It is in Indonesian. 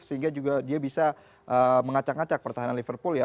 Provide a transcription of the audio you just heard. sehingga juga dia bisa mengacak ngacak pertahanan liverpool ya